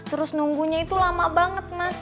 terus nunggunya itu lama banget mas